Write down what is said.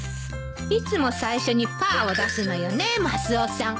いつも最初にパーを出すのよねマスオさん